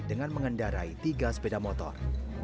dengan mengendarai tiga sepeda motor